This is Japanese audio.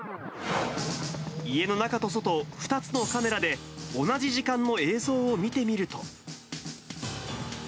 家の中と外、２つのカメラで、同じ時間の映像を見てみると。